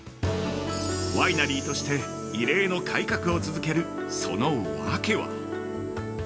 ワイナリーとして異例の改革を続ける、そのわけは？